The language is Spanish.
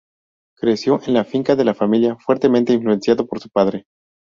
Creció en la finca de la familia, fuertemente influenciado por su padre.